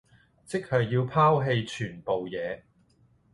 即係要拋棄全部嘢